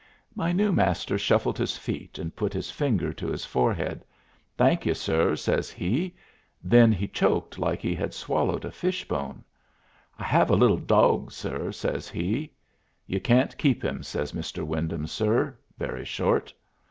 My new Master shuffled his feet and put his finger to his forehead. "Thank you, sir," says he. Then he choked like he had swallowed a fish bone. "I have a little dawg, sir," says he. "You can't keep him," says "Mr. Wyndham, sir," very short.